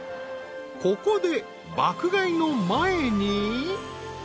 ［ここで爆買いの前に］